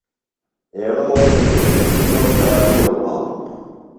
ایڑوۡ وجہ کی تسی شو ݜاوِیڑوۡ بھانُوۡ۔